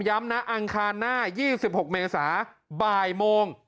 ย้ำนะอังคารหน้า๒๖เมษาบ่ายโมง